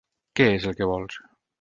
Què és el que vols?